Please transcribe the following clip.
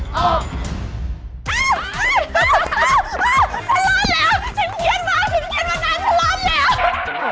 ฉันรอดแล้ว